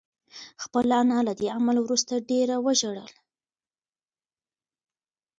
خپله انا له دې عمل وروسته ډېره وژړل.